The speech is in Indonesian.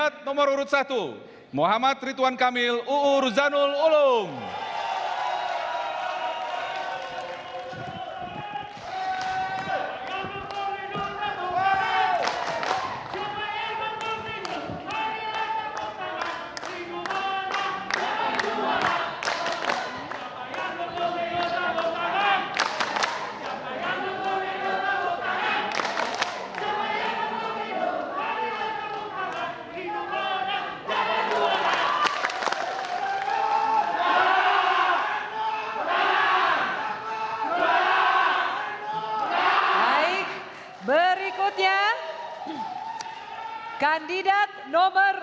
terima kasih saya kira demikian